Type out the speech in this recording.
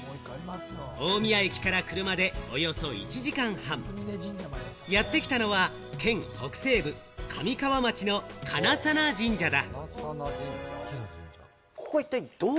大宮駅から車でおよそ１時間半、やってきたのは県北西部、神川町の金鑚神社だ。